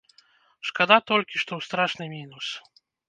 Шкада толькі, што ў страшны мінус.